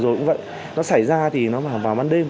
rồi cũng vậy nó xảy ra thì nó vào ban đêm